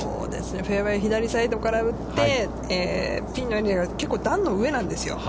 フェアウェイ左サイドから打って、結構段の上なんですよ。